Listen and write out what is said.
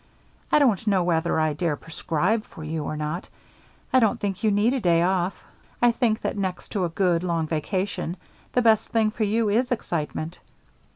I don't know whether I dare prescribe for you or not. I don't think you need a day off. I think that, next to a good, long vacation, the best thing for you is excitement."